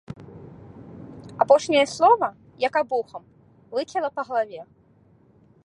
Апошняе слова, як абухам, выцяла па галаве.